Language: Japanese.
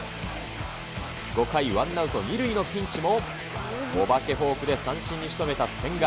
５回、ワンアウト２塁のピンチも、お化けフォークで三振に仕留めた千賀。